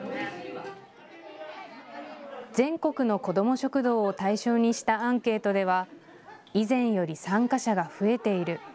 全国の子ども食堂を対象にしたアンケートでは以前より参加者が増えている。